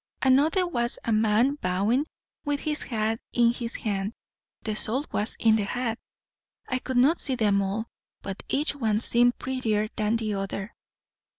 Another was a man bowing, with his hat in his hand; the salt was in the hat. I could not see them all, but each one seemed prettier than the other.